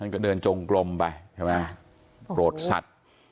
ก็เดินจงกลมไปใช่ไหมโปรดสัตว์